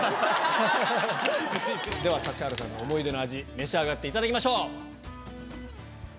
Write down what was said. では指原さんの思い出の味召し上がっていただきましょう！